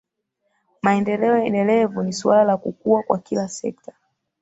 maendeleo endelevu ni suala la kukua kwa kila sekta